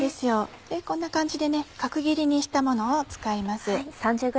こんな感じで角切りにしたものを使います。